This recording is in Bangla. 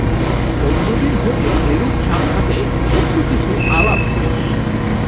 অন্যদিন হইলে এরূপ সাক্ষাতে একটু কিছু আলাপ হইত।